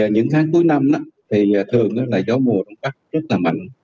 những tháng cuối năm thì thường là gió mùa đông cắt rất là mạnh